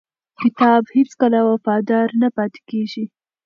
کتاب هیڅکله وفادار نه پاتې کېږي.